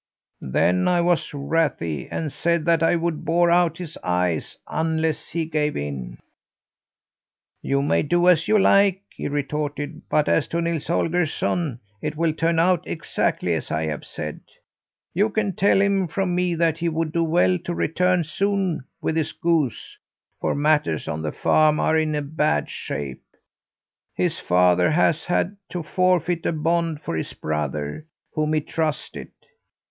"Then I was wrathy and said that I would bore out his eyes unless he gave in. "'You may do as you like,' he retorted, 'but as to Nils Holgersson, it will turn out exactly as I have said. You can tell him from me that he would do well to return soon with his goose, for matters on the farm are in a bad shape. His father has had to forfeit a bond for his brother, whom he trusted.